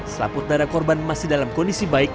selaput darah korban masih dalam kondisi baik